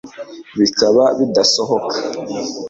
Bikaba bidasohoka